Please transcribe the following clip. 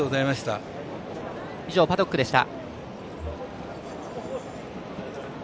以上、パドックでした。